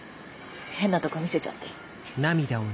変なとこ見せちゃって。